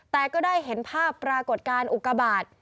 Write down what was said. แต่ก็ได้เห็นภาพปรากฏการณ์อุกบาท